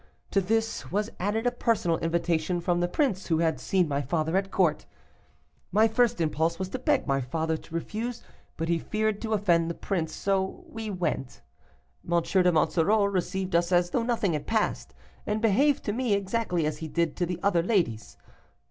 To this was added a personal invitation from the prince, who had seen my father at court. My first impulse was to beg my father to refuse, but he feared to offend the prince, so we went. M. de Monsoreau received us as though nothing had passed, and behaved to me exactly as he did to the other ladies.